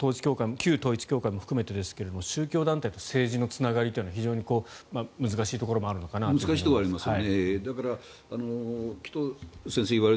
旧統一教会も含めてなんですが宗教団体と政治のつながりが非常に難しいところもあるのかなと思いますが。